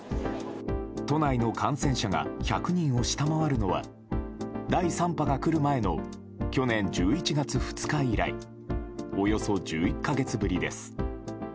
都内の感染者が１００人を下回るのは第３波が来る前の去年１１月２日以来およそ１１か月ぶりです。